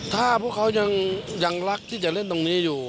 ถ้าพวกเขายังรักที่จะเล่นตรงนี้อยู่